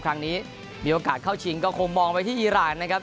ครั้งนี้มีโอกาสเข้าชิงก็คงมองไว้ที่อิหร่านนะครับ